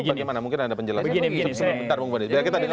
bagaimana mungkin ada penjelasan